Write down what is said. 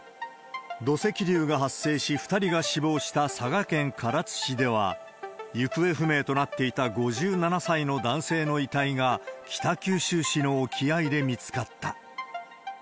土石流が発生し、２人が死亡した佐賀県唐津市では、行方不明となっていた５７歳の男性の遺体が、北九州市の沖合で見つかった。